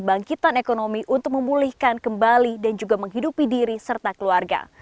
bangkitan ekonomi untuk memulihkan kembali dan juga menghidupi diri serta keluarga